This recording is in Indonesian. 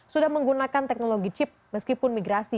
sudah menggunakan teknologi chip meskipun migrasi